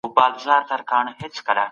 د ازادې مطالعې ګټې څه دي؟